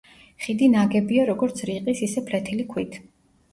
ხიდი ნაგებია, როგორც რიყის, ისე ფლეთილი ქვით.